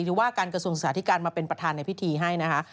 ว่าการกระทรวงศึกษาธิการมาเป็นประธานในพิธีให้นะคะ